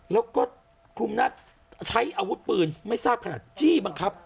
แล้วก็คลุมหน้าใช้อาวุธปืนไม่ทราบขนาดจี้บังคับ